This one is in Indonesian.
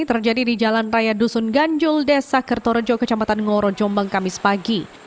terjadi di jalan raya dusun ganjul desa kertorejo kecamatan ngoro jombang kamis pagi